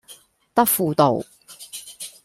德輔道